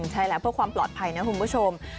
ใช่แล้วเพื่อความปลอดภัยนะคุณผู้ชม